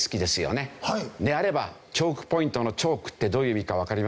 であればチョークポイントのチョークってどういう意味かわかりますよね？